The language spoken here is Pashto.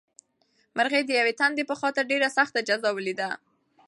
مرغۍ د یوې تندې په خاطر ډېره سخته جزا ولیده.